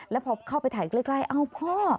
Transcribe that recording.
แล้วพอเข้าไปถ่ายใกล้เอ้าพ่อ